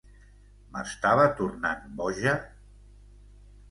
M'estava tornant boja?